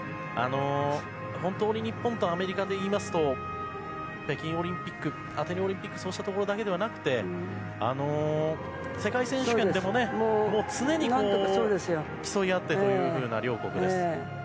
本当に日本とアメリカといいますと北京オリンピックアテネオリンピックといったところだけでなくて世界選手権でも常に競い合ってという両国です。